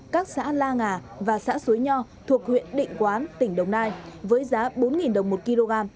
các xã la ngà và xã suối nho thuộc huyện định quán tỉnh đồng nai với giá bốn đồng một kg